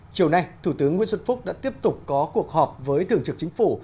chiều nay thủ tướng nguyễn xuân phúc đã tiếp tục có cuộc họp với thường trực chính phủ